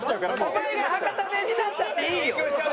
お前が博多弁になったっていいよ。